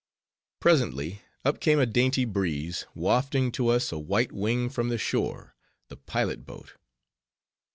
Presently, up came a dainty breeze, wafting to us a white wing from the shore—the pilot boat!